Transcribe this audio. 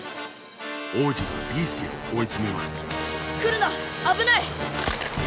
王子がビーすけをおいつめますくるなあぶない！